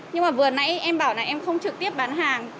nhưng mà vừa nãy em bảo là em không trực tiếp bán hàng